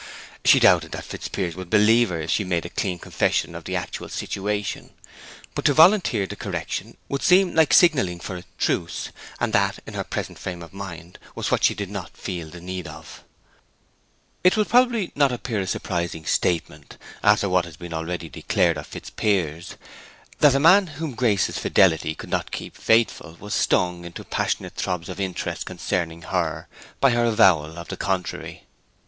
She never doubted that Fitzpiers would believe her if she made a clean confession of the actual situation; but to volunteer the correction would seem like signalling for a truce, and that, in her present frame of mind, was what she did not feel the need of. It will probably not appear a surprising statement, after what has been already declared of Fitzpiers, that the man whom Grace's fidelity could not keep faithful was stung into passionate throbs of interest concerning her by her avowal of the contrary.